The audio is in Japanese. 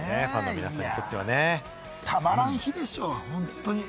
ファンの皆さんにとってはね、たまらん日でしょう、本当に。